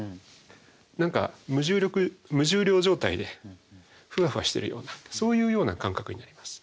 何か無重量状態でフワフワしてるようなそういうような感覚になります。